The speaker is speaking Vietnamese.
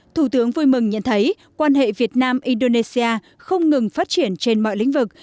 thủ tướng vui mừng nhận thấy quan hệ việt nam indonesia không ngừng phát triển trên mọi lĩnh vực